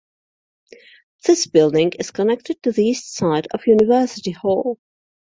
This building is connected to the east side of University Hall.